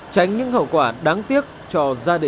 tránh những hậu quả đáng tiếc cho gia đình và cho xã hội